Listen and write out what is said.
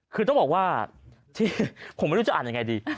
คือต้องบอกว่าที่ผมไม่รู้จะอ่านยังไงดี